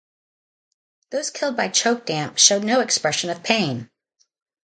Those killed by choke damp showed no expression of pain.